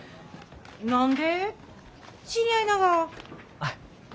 あ。